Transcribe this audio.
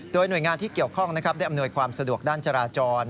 โดยหน่วยงานที่เกี่ยวข้องได้อำนวยความสะดวกด้านจราจร